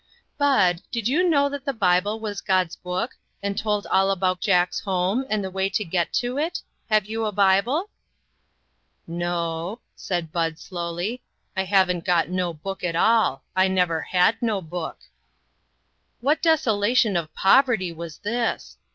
" Bud, did you know that the Bible was God's book, and told all about Jack's home, and the way to get to it? Have you a ^ible?" " No," said Bud, slowly, " I haven't got LOST FRIENDS. 239 no book at all. I never had no book." What desolation of poverty was this